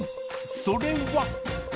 それは。